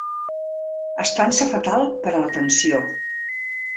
Estança fatal per a la tensió.